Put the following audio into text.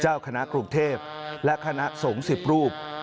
เจ้าคณะกรุงเทพและคณะสงฆ์๑๐รูป